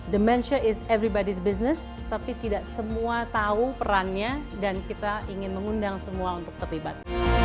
dementia adalah bisnis pel prowamen terus tetapi kita tidak semua tahu perannya dan kita ingin mengundang semua untuk terlibat